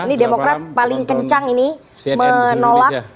ini demokrat paling kencang ini menolak